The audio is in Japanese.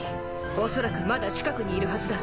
おそらくまだ近くにいるはずだ。